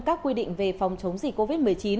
các quy định về phòng chống dịch covid một mươi chín